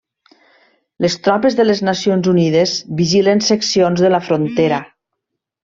Les tropes de les Nacions Unides vigilen seccions de la frontera.